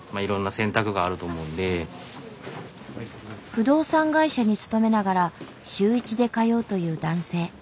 不動産会社に勤めながら週１で通うという男性。